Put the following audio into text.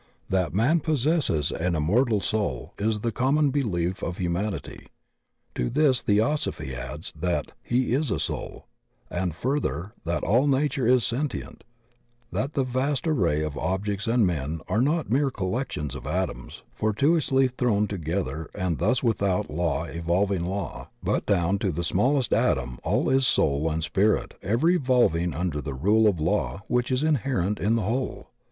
That man possesses an immortal soul is the com mon belief of humanity; to this Theosophy adds that he is a soul; and further that all nature is sentient, that the vast array of objects and men are not mere collections of atoms fortuitously thrown together and thus without law evolving law, but down to the small est atom all is soul and spirit ever evolving under the rule of law which is inherent in the whole.